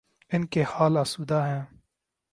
ان کے حال آسودہ ہیں۔